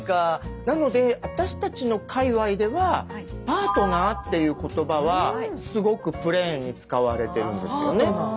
なので私たちの界わいではパートナーっていう言葉はすごくプレーンに使われてるんですよね。